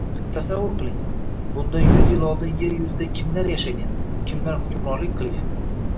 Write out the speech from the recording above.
Tasavvur qiling: bundan yuz yil oldin yer yuzida kimlar yashagan, kimlar hukmronlik qilgan?